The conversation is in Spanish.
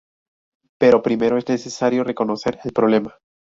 Pero primero es necesario reconocer el problema.